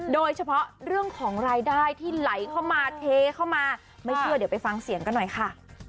โดยเฉพาะเรื่องของรายได้ที่ไหลเข้ามาเทเข้ามาไม่เชื่อเดี๋ยวไปฟังเสียงกันหน่อยค่ะ